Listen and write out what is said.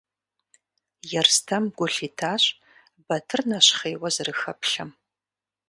Ерстэм гу лъитащ Батыр нэщхъейуэ зэрыхэплъэм.